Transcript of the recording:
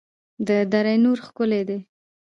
د دره نور ښکلې ده